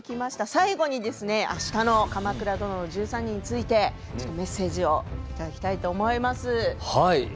最後に「鎌倉殿の１３人」についてメッセージいきたいと思います。